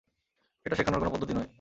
এটা শেখানোর কোন পদ্ধতি নয়।